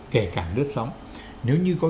kể cản lướt sóng nếu như có